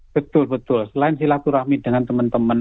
betul betul selain silaturahmi dengan teman teman